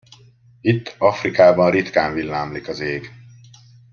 Itt, Afrikában ritkán villámlik az ég.